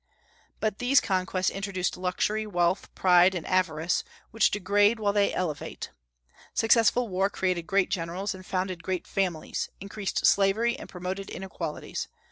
But these conquests introduced luxury, wealth, pride, and avarice, which degrade while they elevate. Successful war created great generals, and founded great families; increased slavery, and promoted inequalities.